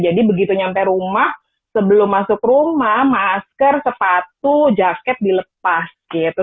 jadi begitu nyampe rumah sebelum masuk rumah masker sepatu jaket dilepas gitu